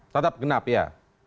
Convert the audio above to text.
tetap genap ya